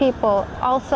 juga banyak bahasa